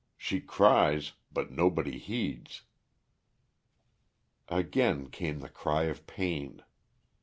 She cries, but nobody heeds." Again came the cry of pain.